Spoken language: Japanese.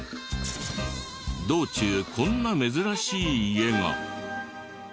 道中こんな珍しい家が。